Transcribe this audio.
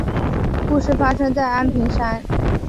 故事发生在安平山。